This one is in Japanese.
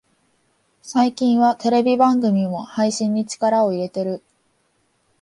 最近はテレビ番組も配信に力を入れてる